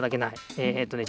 えっとね